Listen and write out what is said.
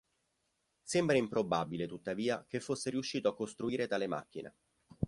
Sembra improbabile tuttavia che fosse riuscito a costruire tale macchina.